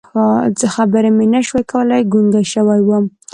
خبرې مې نه شوې کولی، ګونګی شوی وم.